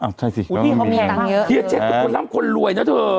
อ้าวใช่สิเฮียเจ๊กเป็นคนล่ำคนรวยนะเถอะ